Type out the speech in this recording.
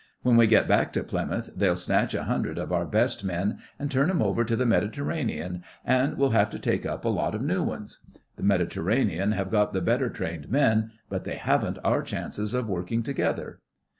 When we get back to Plymouth they'll snatch a hundred of our best men an' turn 'em over to the Mediterranean, and we'll have to take up a lot of new ones. The Mediterranean have got the better trained men, but they haven't our chances of working together.